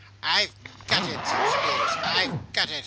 'I've got it!' said Squeers. 'I've got it!